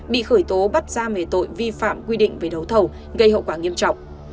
bị khởi tố bắt giam về tội vi phạm quy định về đấu thầu gây hậu quả nghiêm trọng